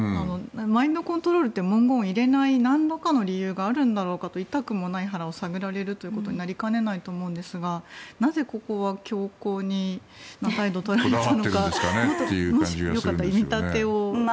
マインドコントロールって文言を入れない何らかの理由があるんだろうかと痛くもない腹を探られることになりかねないと思うんですがなぜ、ここは強硬に態度を変えないのかもしよかったら、襟立を。